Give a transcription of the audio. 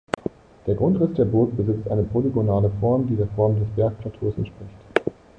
Der Grundriss der Burg besitzt eine polygonale Form die der Form des Bergplateaus entspricht.